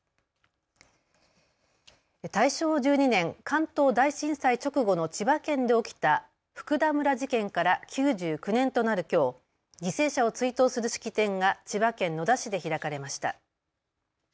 大正１２年、関東大震災直後の千葉県で起きた福田村事件から９９年となるきょう、犠牲者を追悼する式典が千葉県野田市で開かれました。